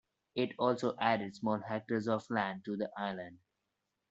It also added small hectares of land to the island.